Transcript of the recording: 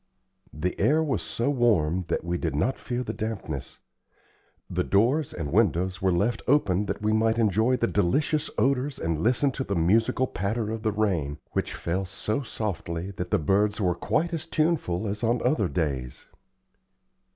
The air was so warm that we did not fear the dampness. The door and windows were left open that we might enjoy the delicious odors and listen to the musical patter of the rain, which fell so softly that the birds were quite as tuneful as on other days.